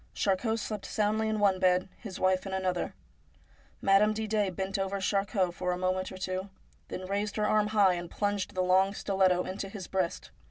Charcot slept soundly in one bed, his wife in another. 1 Madame Didet bent over Charcot for a moment or two, then raised her arm high and plunged the long stiletto into his breast.